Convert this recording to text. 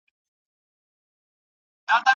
دوښمن په چیغو خوشالیږي او نړیږي وطن